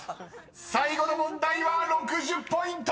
［最後の問題は６０ポイント！］